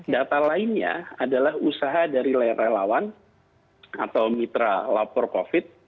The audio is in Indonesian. data lainnya adalah usaha dari relawan atau mitra lapor covid